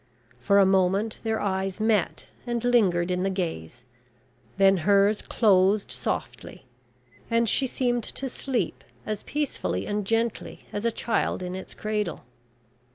For a moment their eyes met and lingered in the gaze, then hers closed softly, and she seemed to sleep as peacefully and gently as a child in its cradle.